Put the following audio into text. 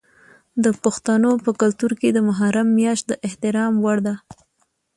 د پښتنو په کلتور کې د محرم میاشت د احترام وړ ده.